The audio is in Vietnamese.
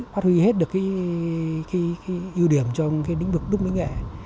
phát huy hết được cái ưu điểm trong cái lĩnh vực đúc nghệ